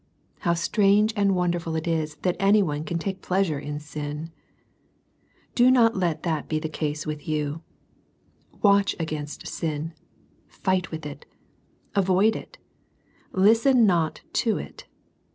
How strange and wonderful it is that any one can take pleasure in sin ! Do not let that be the case with you. Watch against sin. Fight with it. Avoid it. Listen not to it.